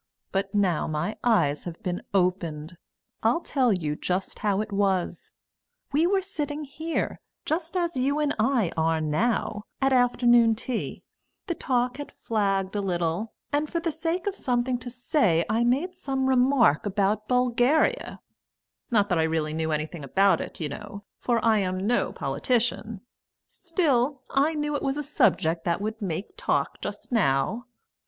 But now my eyes have been opened. I'll tell you just how it was. We were sitting here, just as you and I are now, at afternoon tea; the talk had flagged a little, and for the sake of something to say I made some remark about Bulgaria not that I really knew anything about it, you know, for I'm no politician; still, I knew it was a subject that would make talk just now.